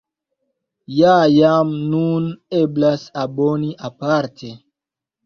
Ja jam nun eblas aboni aparte.